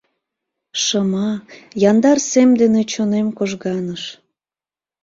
Шыма, яндар сем дене Чонем кожганыш.